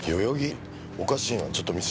おかしいなちょっと見せてくれる？